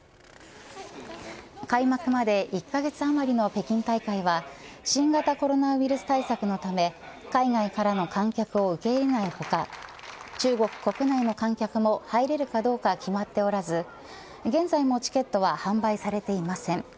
開幕まで１カ月余りの北京大会は新型コロナウイルス対策のため海外からの観客を受け入れない他中国国内の観客も入れるかどうか決まっておらず現在もチケットは販売されていません。